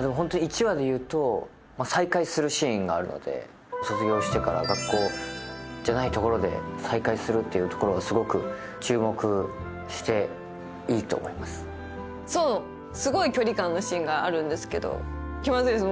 でもホント１話で言うと再会するシーンがあるので卒業してから学校じゃないところで再会するっていうところがすごく注目していいと思いますがあるんですけど気まずいです